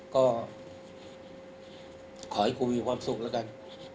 ก็ขอให้ครูมีความสุขแล้วกัน